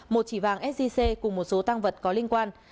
một chỉ vàng sgc cùng một số tăng vật có liên quan